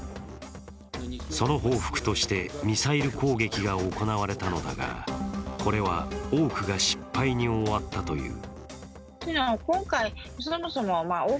その報復としてミサイル攻撃が行われたのだが、これは多くが失敗に終わったという。